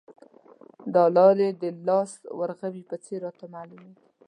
دا لارې د لاس د ورغوي په څېر راته معلومې دي.